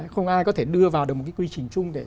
không ai có thể đưa vào được một quy trình chung